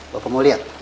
bapak mau liat